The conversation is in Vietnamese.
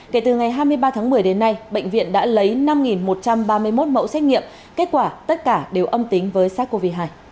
kể từ ngày hai mươi ba tháng một mươi đến nay bệnh viện đã lấy năm một trăm ba mươi một mẫu xét nghiệm kết quả tất cả đều âm tính với sars cov hai